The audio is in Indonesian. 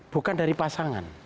bukan dari pasangan